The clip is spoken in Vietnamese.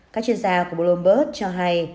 các chuyên gia của bloomberg cho hay